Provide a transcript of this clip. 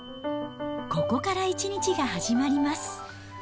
ここから１日が始まります。